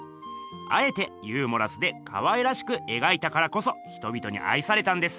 あえてユーモラスでかわいらしくえがいたからこそ人びとにあいされたんです！